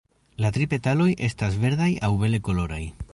La tri petaloj estas verdaj aŭ bele koloraj.